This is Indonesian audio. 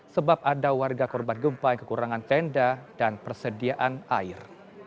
sebab ada warga korban gempa yang kekurangan tenda dan persediaan air